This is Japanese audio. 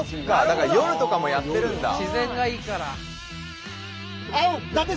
だから夜とかもやってるんだ。